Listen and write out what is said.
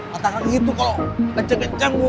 psik tbsp pada kamu